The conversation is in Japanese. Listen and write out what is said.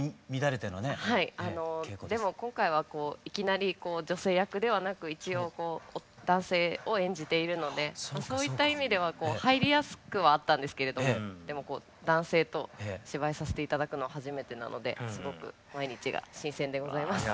はいでも今回はいきなり女性役ではなく一応男性を演じているのでそういった意味では入りやすくはあったんですけれどもでも男性と芝居させて頂くのは初めてなのですごく毎日が新鮮でございます。